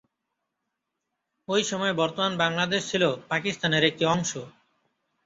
ওই সময় বর্তমান বাংলাদেশ ছিল পাকিস্তানের একটি অংশ।